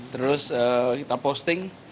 terus kita posting